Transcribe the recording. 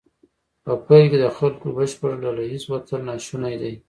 په پیل کې د خلکو بشپړ ډله ایز وتل ناشونی دی.